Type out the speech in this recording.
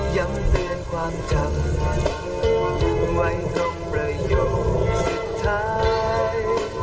ยังเตือนความจำไว้ตรงประโยคสุดท้าย